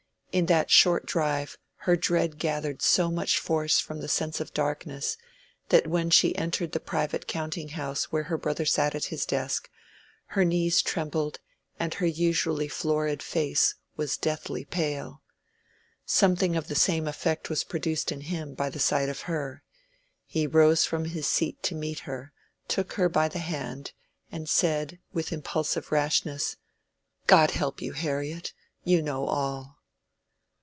In that short drive her dread gathered so much force from the sense of darkness, that when she entered the private counting house where her brother sat at his desk, her knees trembled and her usually florid face was deathly pale. Something of the same effect was produced in him by the sight of her: he rose from his seat to meet her, took her by the hand, and said, with his impulsive rashness— "God help you, Harriet! you know all."